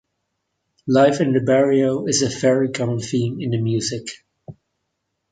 Life in the barrio is a very common theme in the music.